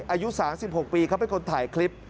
อายุ๓๖ปีเขาเป็นคนถ่ายคลิป